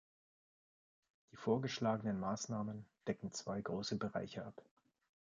Die vorgeschlagenen Maßnahmen decken zwei große Bereiche ab.